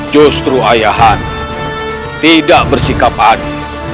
justru ayah anda tidak bersikap adil